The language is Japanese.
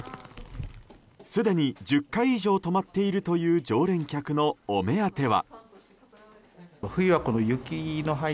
すでに１０回以上泊まっているという常連客のお目当ては。